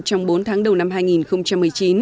trong bốn tháng đầu năm hai nghìn một mươi chín